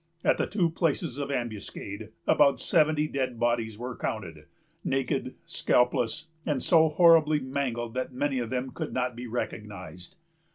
At the two places of ambuscade, about seventy dead bodies were counted, naked, scalpless, and so horribly mangled that many of them could not be recognized.